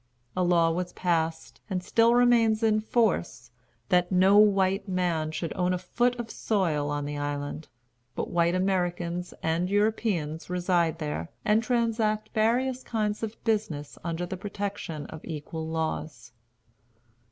A law was passed, and still remains in force, that no white man should own a foot of soil on the island. But white Americans and Europeans reside there, and transact various kinds of business under the protection of equal laws.